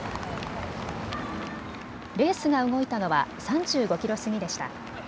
レースが動いたのは３５キロ過ぎでした。